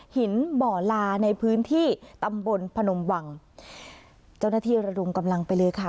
หินบ่อลาในพื้นที่ตำบลพนมวังเจ้าหน้าที่ระดมกำลังไปเลยค่ะ